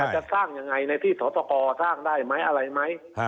จะสร้างยังไงในที่สอตกสร้างได้ไหมอะไรไหม